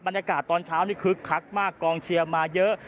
บรรยากาศตอนเช้านี่คึกคักมากกองเชียร์มาเยอะ